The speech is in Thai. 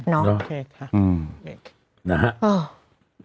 น้อง